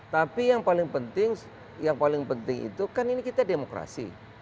tapi yang paling penting itu kan ini kita demokrasi